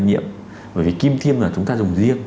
đầy nhiễm bởi vì kim thiêm là chúng ta dùng riêng